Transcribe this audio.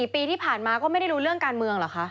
๔ปีที่ผ่านมาก็ไม่ได้รู้เรื่องการเมืองเหรอคะ